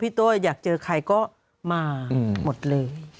ตัวอยากเจอใครก็มาหมดเลย